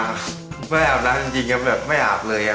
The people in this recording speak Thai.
ก็ไม่อาบแล้วจริงแบบไม่อาบเลยครับ